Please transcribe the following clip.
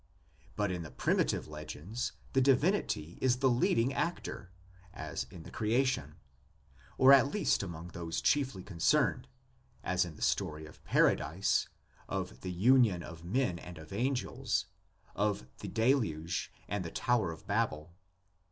But in the primitive legends the divinity is the leading actor (as in the creation), or at least among those chiefly concerned (as in the story of Paradise, of the union of men and of angels, of the Deluge and the Tower of Babel).